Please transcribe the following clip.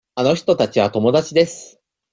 あの人たちは友達です。